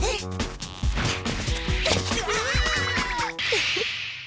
ウフッ。